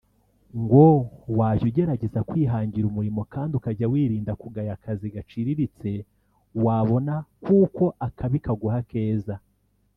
ngo wajya ugerageza kwihangira umurimo kandi ukajya wirinda kugaya akazi gaciriritse wabona kuko akabi kaguha akeza